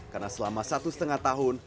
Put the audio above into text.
karena selama satu setengah tahun